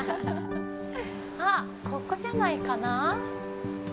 あっ、ここじゃないかな？